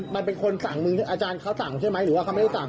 มันเป็นคนสั่งมืออาจารย์เขาสั่งใช่ไหมหรือว่าเขาไม่ได้สั่ง